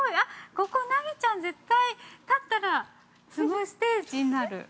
ここナギちゃん、絶対、立ったらステージになる。